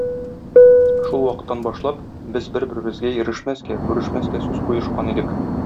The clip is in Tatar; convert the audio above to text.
Шул вакыттан башлап, без бер-беребезгә йөрешмәскә, күрешмәскә сүз куешкан идек.